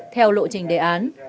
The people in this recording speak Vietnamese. theo lộ trình đề án